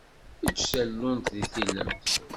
Eǧǧ tallunt d tilemt.